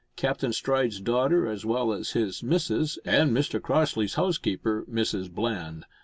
Captain Stride's daughter as well as his "Missus," and Mr Crossley's housekeeper, Mrs Bland.